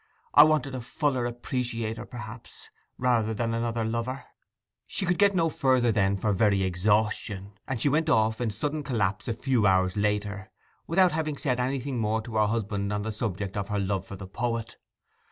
I wanted a fuller appreciator, perhaps, rather than another lover—' She could get no further then for very exhaustion; and she went off in sudden collapse a few hours later, without having said anything more to her husband on the subject of her love for the poet.